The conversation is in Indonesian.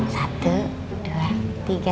satu dua tiga